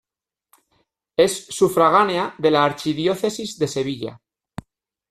Es sufragánea de la archidiócesis de Sevilla.